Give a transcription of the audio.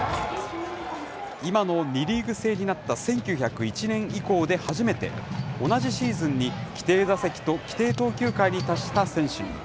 今の２リーグ制になった１９０１年以降で初めて、同じシーズンに規定打席と規定投球回に達した選手に。